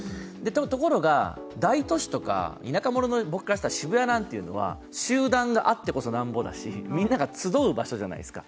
ところが、大都市とか田舎者の僕とか渋谷なんてところは集団があってこそ何ぼだし、みんなが集う場所じゃないですか。